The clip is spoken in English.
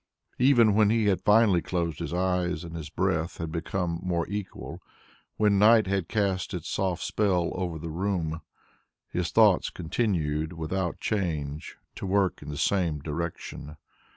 Even when he had finally closed his eyes and his breath had become more equal, when night had cast its soft spell over the room, his thoughts continued without change to work in the same direction.